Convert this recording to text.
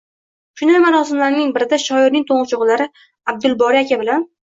Shunday marosimlarning birida shoirning to’ng’ich o’g’illari Abdulboriy aka bilan